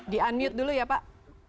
di unmute dulu ya pak